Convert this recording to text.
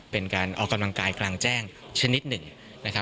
เป็นการออกกำลังกายกลางแจ้งชนิดหนึ่งนะครับ